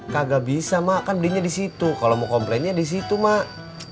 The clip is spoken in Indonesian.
kagak bisa mak kan belinya di situ kalau mau komplainnya di situ mak